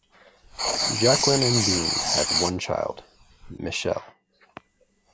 Jacqueline and Bean had one child, Michele.